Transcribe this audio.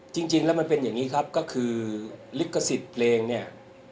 จริงแล้วมันเป็นอย่างนี้ครับก็คือลิขสิทธิ์เพลงเนี่ย